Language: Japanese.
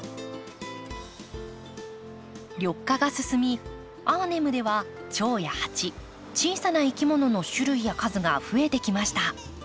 緑化が進みアーネムではチョウやハチ小さないきものの種類や数が増えてきました。